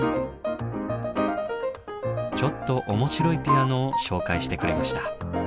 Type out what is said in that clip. ちょっと面白いピアノを紹介してくれました。